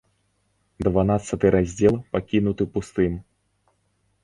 Дванаццаты раздзел пакінуты пустым.